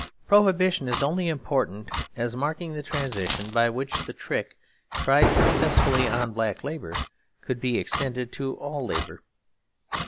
Prohibition is only important as marking the transition by which the trick, tried successfully on black labour, could be extended to all labour.